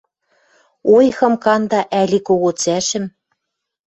Ойхым канда ӓли кого цӓшӹм